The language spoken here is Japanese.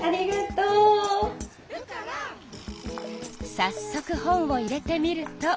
さっそく本を入れてみると。